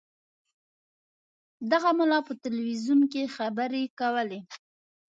دغه ملا په تلویزیون کې خبرې کولې.